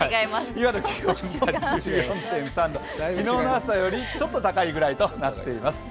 今の気温が１４．３度、昨日の朝よりちょっと高い朝となっています。